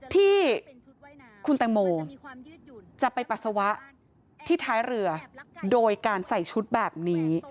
ที่คุณแตงโมจะไปปัสสาวะที่ท้ายเรือโดยการใส่ชุดแบบนี้